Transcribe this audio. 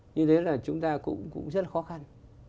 như thế là chúng ta cũng rất khó khăn